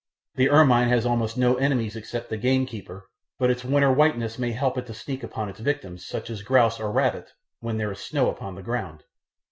The ermine has almost no enemies except the gamekeeper, but its winter whiteness may help it to sneak upon its victims, such as grouse or rabbit, when there is snow upon the ground.